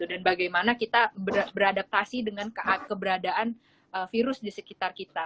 dan bagaimana kita beradaptasi dengan keberadaan virus di sekitar kita